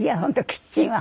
キッチンは